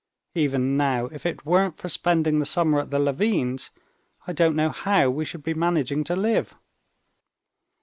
Even now, if it weren't for spending the summer at the Levins', I don't know how we should be managing to live.